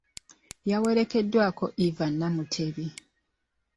Yawerekeddwako Eva Namutebi.